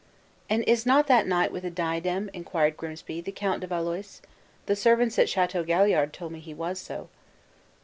"And is not that knight with the diadem," inquired Grimsby, "the Count de Valois? The servants at Chateau Galliard told me he was so."